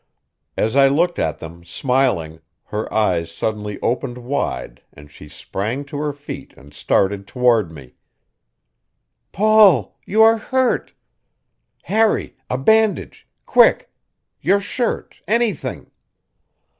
As I looked at them, smiling, her eyes suddenly opened wide and she sprang to her feet and started toward me. "Paul! You are hurt! Harry, a bandage quick; your shirt anything!"